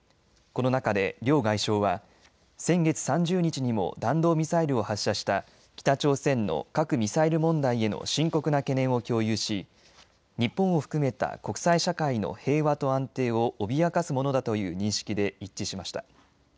この中で両外相は先月３０日にも弾道ミサイルを発射した北朝鮮の核・ミサイル問題への深刻な懸念を共有し日本を含めた国際社会の平和と安定を脅かすものだという認識で一致しました。